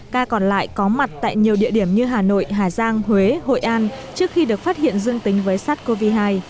ca còn lại có mặt tại nhiều địa điểm như hà nội hà giang huế hội an trước khi được phát hiện dương tính với sars cov hai